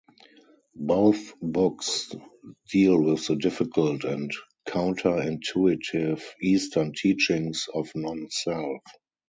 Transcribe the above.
Both books deal with the difficult and counter-intuitive Eastern teachings of non-self.